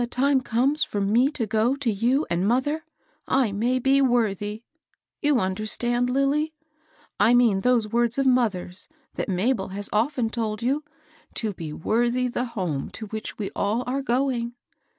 time comes for me to go to you and mother, I may be worthy^ — you under stand, Lilly ? I mean those words of mother's, that Mabel has often told you, — to be ^ wortiby l^e home to which we all are going.'